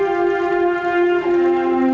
bantu yang lama kerja